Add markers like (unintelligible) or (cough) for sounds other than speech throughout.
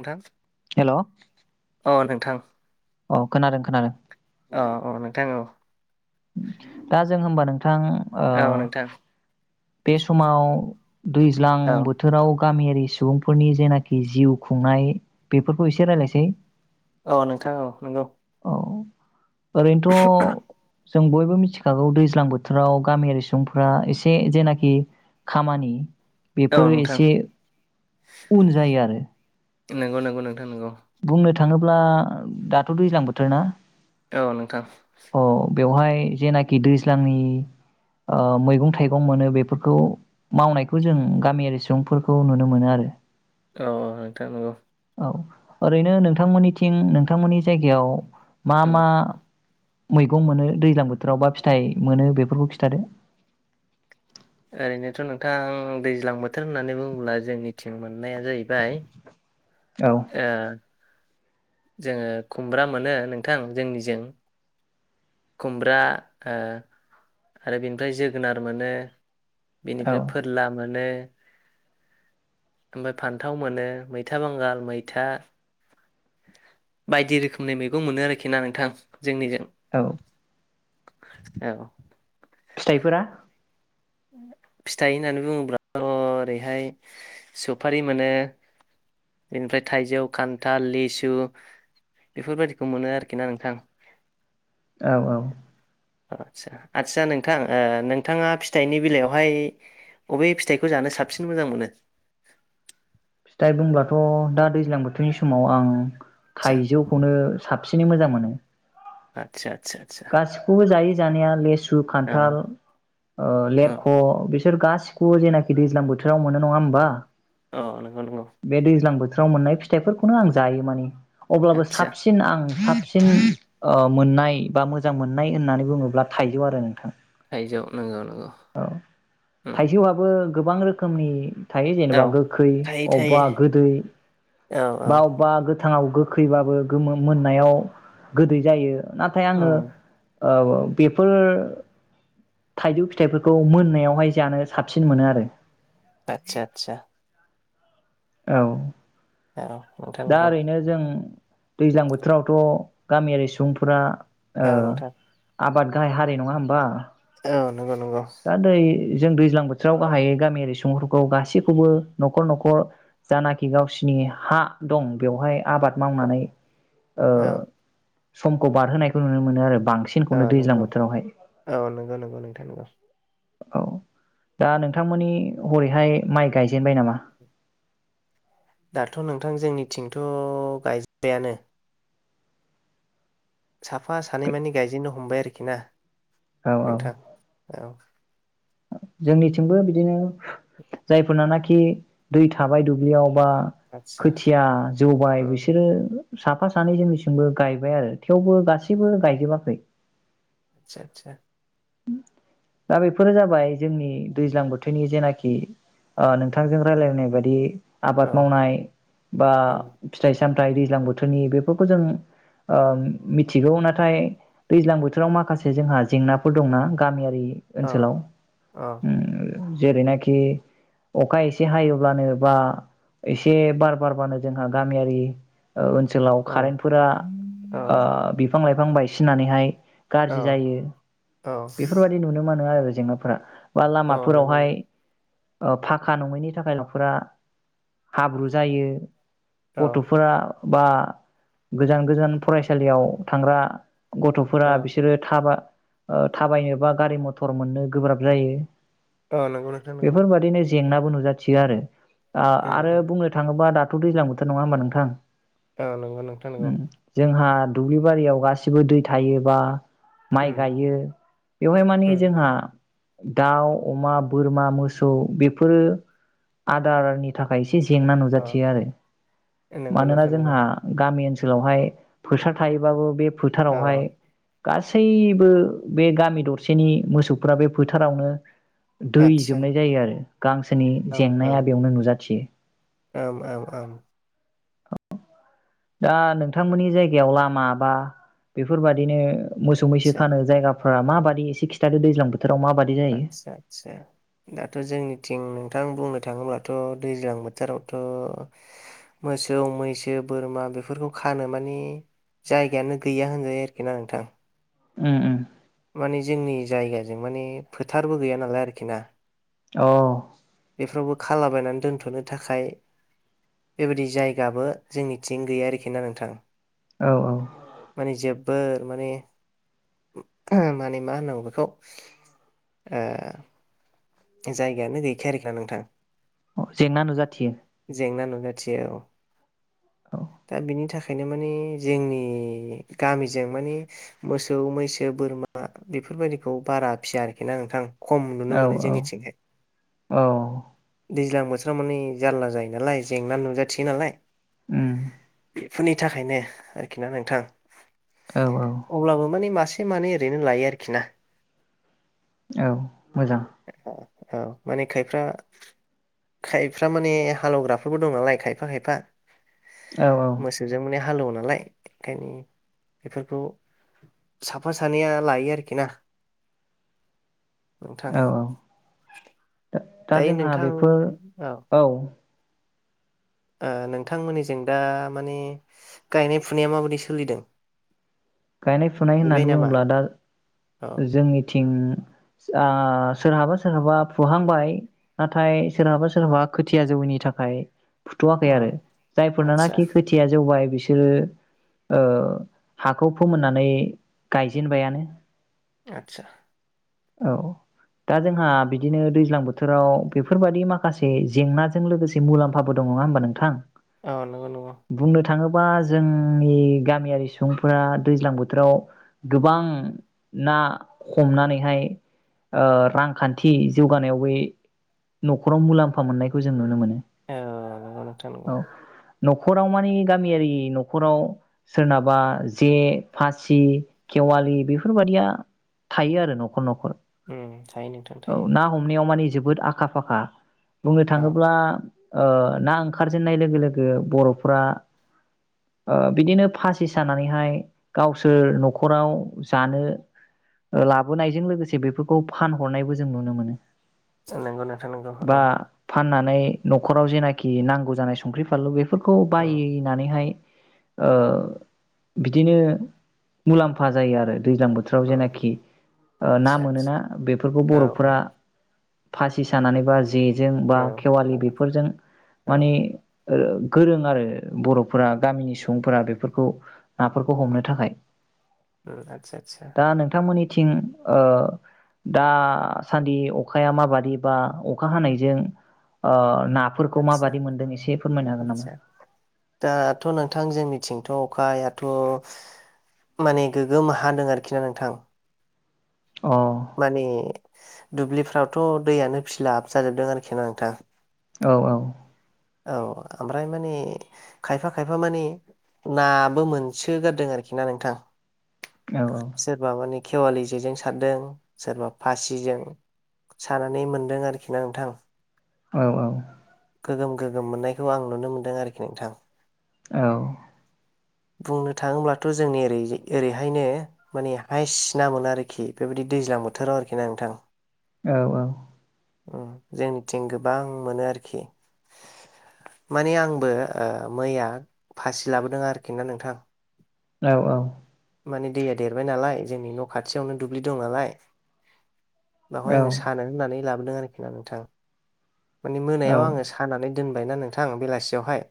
नोंथां हेल' अ नोंथां अ खोनादों खोनादों अ औ नोंथां औ दा जों होमबा नों थां ओ औ नोंथां बे समाव दैज्लां औ बोथोराव गामियारि सुबुंफोरनि जेनाखि जिउ खुंनाय बेफोरखौ इसे रायलायसै औ नोंथां औ नोंगौ औ ओरैनथ' जों बयबो मिथिखागौ दैज्लां बोथोराव गामियारि सुबुंफोरा एसे जेना खि खामानि औ बेफोरो नोंथां एसे उन जायो आरो नोंगौ नोंगौ नों नोंगौ बुंनो थाङोब्ला दाथ' दैज्लां बोथोर ना औ नोंथां अ बेवहाय जेनाखि दैज्लांनि ओ मैगं थाइगं मोनो बेफोरखौ मावनायखौ जों गामियारि सुबुंफोरखौ नुनो मोनो आरो औ औ नोंथां नंगौ औ ओरैनो नोंथांमोननिथिं नोंथांमोननि जायगायाव मा उम मा मैगं मोनो दैज्लां बोथोराव बा फिथाइ मोनो बेफोरखौ खिथादो ओरैनोथ' नोंथां दैज्लां बोथोर होननानै बुङोब्ला जोंनिथिं मोननाया जाहैबाय औ ओ जोङो खुमब्रा मोनो नोंथां जोंनिजों खुमब्रा ओ आरो बेनिफ्राय जोगोनार मोनो औ बेनिफ्राय फोरला मोनो (inaudible) ओमफ्राय फान्थाव मोनो मैथा बांगाल मैथा बायदि रोखोमनि मैगं मोनो आरोखि ना नोंथां जोंनिजों। औ औ फिथाइफोरा फिथाइ होननानै बुङोब्लाथ' ओरैहाय सफारि मोनो बेनिफ्राय थाइजौ खान्थाल लिसु बेफोरबायाददिखौ मोनो आरोखि ना नोंथां। औ औ अ आदसा आदसा नोंथां नोंथाङा फिथाइनि बेलायावहाय अबे फिथाइखौ जानो साबसिन मोजां मोनो? फिथाइ बुंब्लाथ' दा दैज्लां बोथोरनि समाव आं आदसा थाइजौखौनो साब सिनै मोजां मोनो। आतसा गासिखौबो जायो जानाया लिसु अ खान्थाल ओ अ लेरख' बिसोर गासिखौबो जेनाखि दैज्लां बोथोराव मोनो नङा होमबा? अ नंगौ नंगौ बे दैज्लां बोथोराव मोननाय फिथाइफोरखौनो आं जायो माने अब्लाबो आदसा साबसिन आं साबसिन ओ मोननाय बा मोजां मोननाय होननानै बुङोब्ला थाइजौ आरो नोंथां। थायजौ नंगौ नंगौ उम थाइजौआबो गोबां रोखोमनि थायो औ जेनेबा गोखै थायो थायो अबेबा गोदै औ औ बा अबेबा गो थाङाव गोखैबाबो गोमोन मोननायाव गोदै जायो। नाथाय आङो उम ओ‌ बेफोर थाइजौ फिथाइफोरखौ मोननायावहाय जानो साबसिन मोनो आरो आतसा आतसा औ औ नोंथां दा नंगौ ओरैनो जों दैज्लां बोथोरावथ' गामियारि सुबुंफोरा ओ औ नोंथां आबाद गाहाय हारि नङा होमबा? औ नंगौ नंगौ दा दै जों दैज्लां बोथोराव गाहायै गामियारि सुबुंफोरखौ गासैखौबो न'खर न'खर जानाखि गावसिनि हा दं बेवहाय आबाद औ मावनानै ओ औ समखौ बारहोनायखौ नुनो मोनो आरो ओ बांसिनखौनो दैज्लां नंगौ बोथोरावहाय औ नंगौ नंगौ नंगौ नोंथां नंगौ। औ। दा नोंथांमोननि हरैहाय माइ गायजेनबाय नामा। दाथ' नोंथां जोंनिथिंथ' गायजोबबायानो। साफा सानै मानि गायजेननो हमबाय आरोखि। (unintelligible) औ औ नोंथां औ। जोंनिथिंबो बिदिनो जायफोरनानाखि दै थाबाय दुब्लियाव। बा आदसा खोथिया जौबाय उम बिसोरो साफा सानै जोंनिसिमबो गायबाय आरो थेवबो गासैबो गायजोबाखै। आतसा आतसा। दा बेफोरो जाबाय जोंनि दैज्लां बोथोरनि जेनाखि नोंथांजों रायलायनाय बायदि आबाद औ मावनाय बा उम फिथाइ साथाइ दैजां बोथोरनि बेफोरखौ जों मिथिगौ नाथाय दैज्लां बोथोराव माखासे जोंहा जेंना फोर दंना गामियारि औ औ। उम जेरैनाखि अखा एसे हायोब्लानो बा एसे बार बारबानो जोंहा गामियारि ओ ओनसोलाव औ कारेन्टफोरा ओ बिफां लाइफां बिफां बायसिननानैहाय। औ गाज्रि जायो। औ बेफोरबायदि नुनो मोनो आरो जेंनाफोरा। बा औ नंगौ लामाफोरावहाय नंगौ ओ फाखा नङैनि थाखाय न'फोरा हाब्रु जायो। औ गथ'फोरा बा गोजान गोजान फरायसालियाव थांग्रा गथ'फोरा औ बिसोरो थाबा थाबायनोबा गारि मथर मोननो गोब्राब जायो। ओ नंगौ नोंथां औ। बो नुजाथियो आरो। आ आरो बुंनो थाङोबा दा थ' दैज्लां बोथोर नङा होमबा नोंथां? औ नंगौ नोंथां नंगौ। उम जोंहा दुब्लि बारियाव गासिबो दै थायोबा माइ उम गायो। बेवहाय माने उम जोंहा दाउ अमा बोरमा मोसौ बेफोरो आदारनि थाखाय स से जेंना अ नुजाथियो आरो नंगौ मानोना नोंथां नंगौ जोंहा गामि ओनस सोलावहाय फैसा थायोबाबो बे औ फोथारावहाय गासैबो बे गामि दरसेनि मोसौफोरा बे फोथारावनो दै आदसा जोबनाय जायो आरो गांसोनि ओम जेंनाया ओम बेयावनो नुजाथियो। ओम ओम ओम दा नोंथांमोननि जायगायाव लामा बा बेफोरबादिनो ओ मोसौ मैसो आदसा खानो जायगा फोरा माबादि एसे खिथादो दैज्लां बोथ आदसा आदसा दाथ' जोंनिथिं नोंथां बुंनो थाङोब्लाथ' दैज्लां बोथोरावथ' मोसौ मैसो बोरमा बेफोरखौ खानो माने जायगायानो गैया होनजायो आरोखि ना नोंथां। उम उम माने जोंनि जायगाजों माने फोथारबो गैया नालाय आरोखि ना अ बेफ्रावबो खालाबायनानै दोनथ'नो थाखाय बेबायदि जायगाबो जोंनिथिं गैया आरोखि ना नोंथां। औ औ माने जोबोर माने उम माने मा होननांगौ बेखौ ओ जायगायानो गैखाया आरोखिना नोंथां। अ जेंना नुजाथियो। थियो अ औ दा बिनि थाख ओंखायनो माने जोंनि गामिजों माने मोसौ मैसो बोरमा बेफोरबायदिखौ बारा फिसिया आरोखि ना नोंथां। खम नुनो औ मोनो औ जोंनि थिंहाय औ दैज्लां बोथ नोंस्रा माने जारला जायो नालाय जेंना नुजाथियो नालाय उम बेफोरनि थाखायनो आरोखि ना नोंथां। औ औ अब्लाबो माने मासे से मानै ओरैनो लायो आरोखि ना। औ मोजां। औ माने खायफ्रा खायफ्रा माने हालौवग्राफोरबो दं नालाय खायफा खायफा। औ औ मोसौजों माने हा हालौवो नालाय ओंखायनो बेफोरखौ साफा सानैया लायो आरोखि ना। नोंथां। औ दा दायो जोंहा नोंथां बेफोर औ। ओ नोंथांमोननिजों दा माने गायनाय फुनाया माबायदि सोलिदों। गायनाय फुनाय गायबाय होननानै नामा? बुङोब्ला दा औ जोंनिथिं आ सोरहाबा सोरहाबा फुहांबाय नाथाय सोरहाबा सोरहाबा खोथिया जौैनि थाखाय फुथ'वाखै अ आरो आदसा जायफोरनाखि खोथिया जौबाय बिस बिसोरो ओ हा खौ फोमोननानै गायजेनबायानो। आतसा। औ दा जोंहा बिदिनो दैज्लां बोथोराव बेफोरबादि माखासे जेंनाजों लोगोसे मुलाम्फाबो दं नङा होमबा नोंथां? औ नंगौ नंगौ। बुंनो थाङोबा जोंनि गामियारि सुबुं फोरा दैज्लां बोथोराव गोबां ना हमनानैहाय ओ रांखान्थि जौगानायाव बे न'खराव मुलाम्फा मोननायखौ जों नुनो मोनो। औ नंगौ नोंथां नंगौ। औ न'खराव मानि गामियारि न'खराव सोरनाबा जे फासि खेवालि बेफोरबायदिया थायो आरो न'खर न'खर। उम थायो नोंथां औ थायो ना हमनायाव माने जोबोद आखा फाखा। बुंनो औ थाङोब्ला ओ ना ओंखारजेननाय लोगो लोगो बर'फोरा ओ बिदिनो फासि साना नैहाय गावसोर न'खराव जानो लाबोनायजों लोगोसे बेफोरखौ फानहरनायबो जों नुनो मोनो। नंगौ नोंथां नंगौ बा औ। फाननानै न'खराव जेनाखि नांगौ जानाय संख्रि फानलु बे फोरखौ औ बायनानैहाय ओ बिदिनो मुलाम्फा जायो आरो। दैज्लां बोथोराव औ जेनाखि ओ ना आदसा मोनोना आदसा बेफोरखौ औ बर'फोरा फासि सानानै बा जेजों बा औ खेवालि औ बेफोरजों माने औ ओ गोरों आरो बर'फोरा गामिनि सुबुंफोरा बेफोरखौ नाफोरखौ हमनो थाखाय। आतसा आतसा। थिं ओ दासान्दि अखाया माबादि बा अखा हानायजों ओ नाफोरखौ आदसा माबादि मोनदों एसे फोरमायनो हागोन नामा? आदसा दाथ' नोंथां जे मिथिंथ' अखायाथ' माने गोगोम हादों आरोखि ना नोंथां। अ औ माने दुब्लिफ्रावथ' दैयानो फिलाब जाजोबदों आरोखि ना नोंथां। औ औ। औ ओमफ्राय माने खायफा खायफा मानि नाबो मोनसोगारदों आरोखि ना नोंथां। औ सेर बाबानि खेवालि जेजों सारदों सोरबा फासिजों सानानै मोनदों आरोखि ना नोंथां। औ औ। गोगोम गोगोम मोननायखौ आं नुनो मोन्दों आरोखि नोंथां। औ। बुंनो थाङोब्लाथ' जोंनि ओरै ओरैहायनो माने हायस ना मोनो आरोखि बेबायदि दैज्लां बोथोराव आरोखि ना नोंथां। औ औ। जोंनिथिं गोबां मोनो आरोखि। माने आंबो मैया फासि लाबोदों आरोखि ना नोंथां। औ औ। माने दैया देरबाय नालाय जोंनि न' खाथियावनो दुब्लि दं नालाय बेवहाय आङो औ सानो होननानै लाबो दों आरोखि ना नोंथां। माने मोनायाव औ आङो सा दोनबायना नोंथां बेलासियावहाय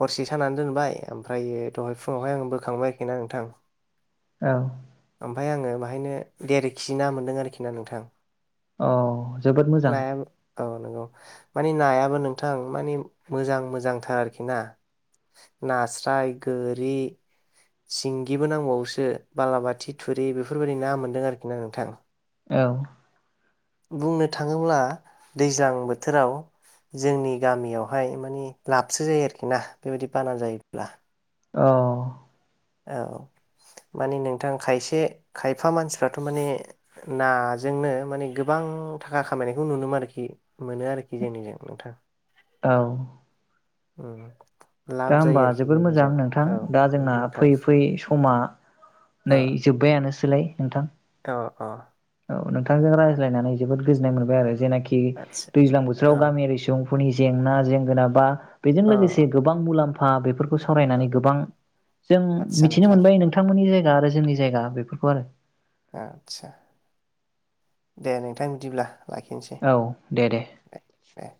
हरसे सानानै दोनबाय ओमफ्रायो दहाय फुङावहाय आं बोखांबाय आरोखि ना नोंथां। औ। ओमफ्राय आङो बाहायनो देरखि ना मोनदों आरोखि ना नोंथां। औ जोबोद मोजां। नायाबो औ नंगौ। माने नायाबो नोंथां मानि मोजां मोजांथार आरोखि ना नास्राय गोरि सिंगिबो नांबावोसो बालाबाथि थुरि बेफोरबायदि ना मोनदों आरोखि ना नोंथां। औ। बुंनो थाङोब्ला दैज्लां बोथोराव जोंनि गामियावहाय मानि लाबसो जायो आरोखि ना बेबायदि बाना जायोब्ला औ। औ माने नोंथां खायसे खायफा मानसिफ्राथ' माने नाजोंनो माने गोबां थाखा खामायनायखौ नुनोमोन आरोखि मोनो आरोखि जोंनिजों नोंथां। औ। ओम। दा होमबा जोबोर मोजां नोंथां दा जोंना नंगौ नोंथां फैयै फैयै समा अ नै जोब्बायानोसै। सोलाय नोंथां। अ अ। औ नोंथांजों रायज्लायनानै जोबोद गोजोननाय मोनबाय आरो जेनाखि आदसा आरोखि दैज्लां बोथोराव अ गामियारि सुबुं फोरनि जेंना जेंगोना बा बेजों अ लोगोसे गो बां मुलाम्फा बेफोर खौ सावरायनानै गोबां जों आदसा मिथिनो नोंथां मोनबाय नोंथांमोननि आरो जोंनि जायगा बेफोरखौ आरो आदसा दे नोंथां बिदिब्ला लाखिनोसै औ दे दे दे